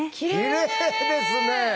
きれいですね！